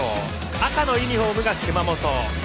赤のユニフォームが熊本。